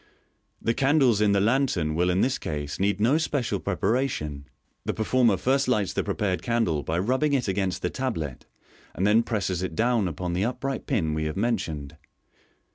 The candles in the lantern will in this case need no special preparation. The performer first lights the prepared candle by rubbing it against the tablet, and then presses it down upon the upright pin we have mentioned.